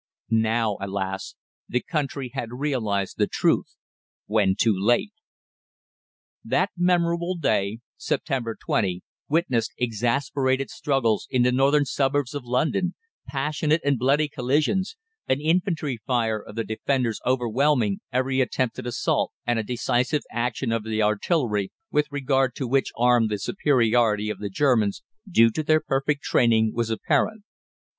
Now, alas! the country had realised the truth when too late. That memorable day, September 20, witnessed exasperated struggles in the northern suburbs of London, passionate and bloody collisions, an infantry fire of the defenders overwhelming every attempted assault; and a decisive action of the artillery, with regard to which arm the superiority of the Germans, due to their perfect training, was apparent.